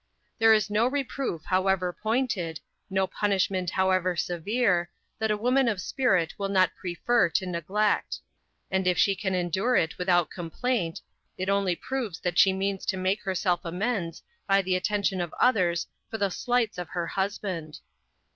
There is no reproof however pointed, no punishment however severe, that a woman of spirit will not prefer to neglect; and if she can endure it without complaint, it only proves that she means to make herself amends by the attention of others for the slights of her husband.